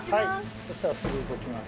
そしたらすぐ動きます。